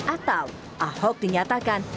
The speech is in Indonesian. atau ahok dinyatakan